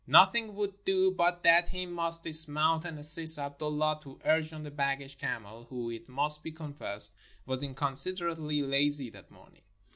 Nothing would do but that he must dismount and assist Abdullah to urge on the baggage camel, who, it must be confessed, was inconsiderately lazy that morning.